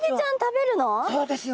そうですよ。